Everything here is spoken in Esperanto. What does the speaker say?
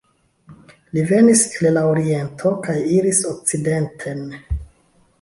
Li venis el la oriento kaj iris okcidenten.